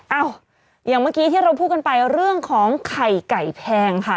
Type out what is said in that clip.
อย่างเมื่อกี้ที่เราพูดกันไปเรื่องของไข่ไก่แพงค่ะ